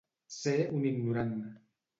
Ser un ignorant.